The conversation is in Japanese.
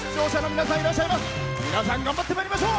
皆さん頑張ってまいりましょう。